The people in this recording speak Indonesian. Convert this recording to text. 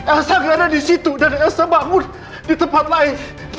elsa gak ada di situ dan elsa bangun di tempat lain